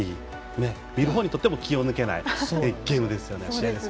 見るほうにとっても気が抜けない試合です。